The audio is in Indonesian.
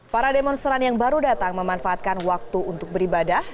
para demonstran yang baru datang memanfaatkan waktu untuk beribadah